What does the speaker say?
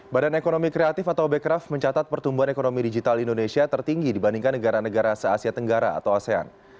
badan ekonomi kreatif atau bekraf mencatat pertumbuhan ekonomi digital indonesia tertinggi dibandingkan negara negara se asia tenggara atau asean